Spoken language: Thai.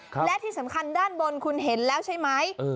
และที่สำคัญด้านบนคุณเห็นแล้วใช่ไหม